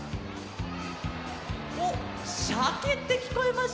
おっシャケってきこえました。